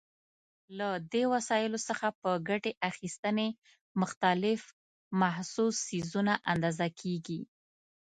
له دې وسایلو څخه په ګټې اخیستنې مختلف محسوس څیزونه اندازه کېږي.